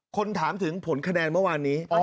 คนถามถึงผลคะแนนเมื่อวานนี้